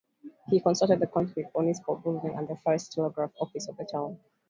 He constructed the concrete municipal building and the first telegraph office of the town.